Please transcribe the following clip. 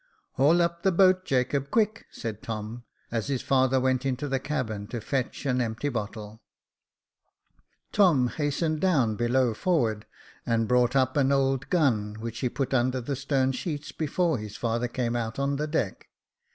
" Haul up the boat, Jacob, quick," said Tom, as his father went into the cabin to fetch an empty bottle. Tom hastened down below forward, and brought up an old gun, which he put under the stern sheets before his father came out on the deck.